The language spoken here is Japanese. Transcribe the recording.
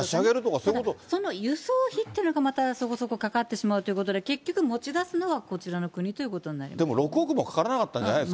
そういうの、輸送費っていうのがまた、そこそこかかってしまうということで、結局、持ち出すのはこちらでも、６億もかからなかったんじゃない？